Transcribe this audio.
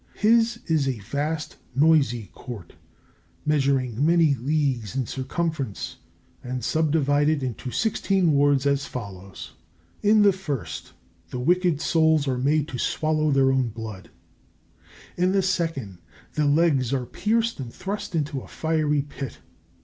His is a vast, noisy Court, measuring many leagues in circumference and subdivided into sixteen wards, as follows: In the first, the wicked souls are made to swallow their own blood. In the second, their legs are pierced and thrust into a fiery pit.